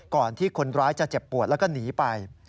ก่อนที่คนร้ายจะเจ็บปวดแล้วก็หนีไป